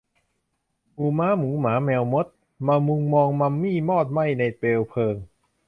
หมู่ม้าหมูหมาแมวมด มามุงมองมัมมี่มอดไหม้ในเปลวเพลิง